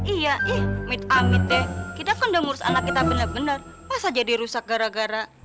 iya ih mit amit deh kita kondong urus anak kita benar benar masa jadi rusak gara gara